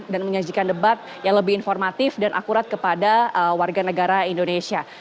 dan menyajikan debat yang lebih informatif dan akurat kepada warga negara indonesia